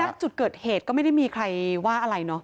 จุดเกิดเหตุก็ไม่ได้มีใครว่าอะไรเนาะ